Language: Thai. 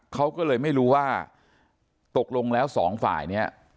เขาก็เลยไม่รู้ว่าตกลงแล้วสองฝ่ายเนี่ย